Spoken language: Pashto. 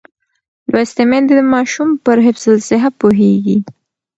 لوستې میندې د ماشوم پر حفظ الصحه پوهېږي.